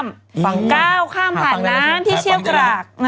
ก้าวข้ามผ่านน้ำที่เชี่ยวกราก